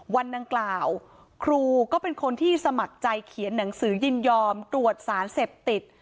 วันดังกล่าวครูก็เป็นคนที่สมัครใจเขียนหนังสือยินยอมตรวจสารเสพติด